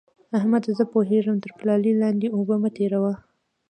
احمده! زه پوهېږم؛ تر پلالې لاندې اوبه مه تېروه.